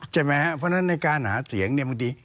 ใช่ไหมฮะเพราะฉะนั้นในการหาเสียงเนี่ย